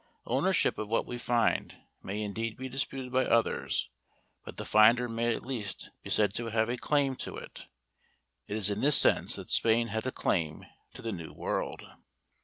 Ownership of what we find may indeed be disputed by others, but the finder may at least be said to have a "claim" to it. It is in this sense that Spain had a "claim" to the New World.